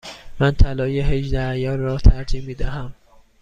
من طلای هجده عیار را ترجیح می دهم.